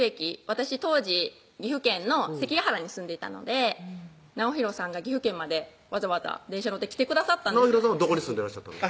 私当時岐阜県の関ケ原に住んでいたので直洋さんが岐阜県までわざわざ電車乗って直洋さんはどこに住んでらっしゃったの？